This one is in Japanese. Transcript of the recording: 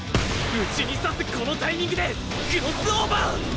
内に刺すこのタイミングでクロスオーバー！